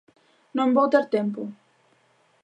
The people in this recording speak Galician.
Non vou ter tempo.